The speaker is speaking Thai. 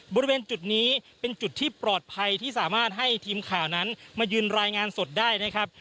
บริเวณจุดนี้เป็นจุดที่ปลอดภัยที่สามารถให้ทีมข่าวนั้นมายืนรายงานสดได้นะครับ